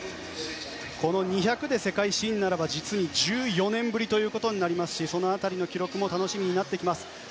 この２００で世界新なら実に１４年ぶりですしその辺りの記録も楽しみになってきます。